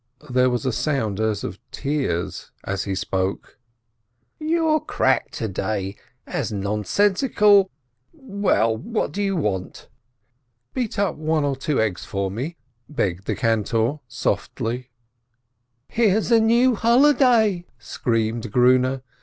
There was a sound as of tears as he spoke. "You're cracked to day ! As nonsensical — Well, what do you want?" "Beat up one or two eggs for me !" begged the cantor, softly. 408 RAISIN "Here's a new holiday !" screamed Grune.